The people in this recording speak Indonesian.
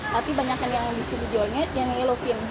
tapi banyak yang di sini dijualnya yang yellowfin